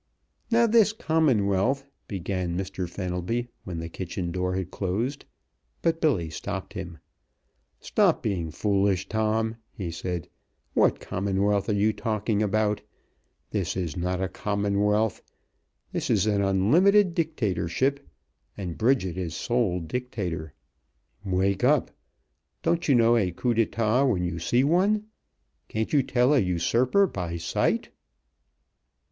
"Now, this Commonwealth " began Mr. Fenelby, when the kitchen door had closed, but Billy stopped him. "Stop being foolish, Tom," he said. "What Commonwealth are you talking about? This is not a Commonwealth this is an unlimited dictatorship, and Bridget is sole dictator! Wake up; don't you know a coup d'état when you see one? Can't you tell a usurper by sight?"